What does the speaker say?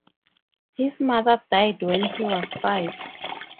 His mother died when he was five.